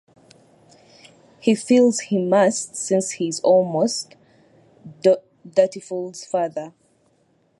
He feels he must since he is almost Dutiful's father.